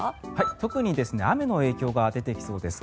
特に雨の影響が出てきそうです。